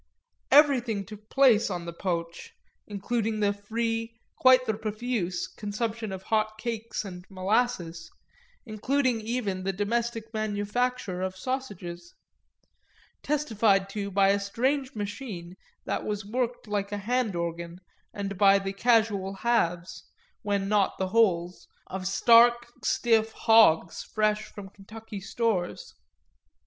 Everything took place on the poo'ch, including the free, quite the profuse, consumption of hot cakes and molasses, including even the domestic manufacture of sausages, testified to by a strange machine that was worked like a handorgan and by the casual halves, when not the wholes, of stark stiff hogs fresh from Kentucky stores.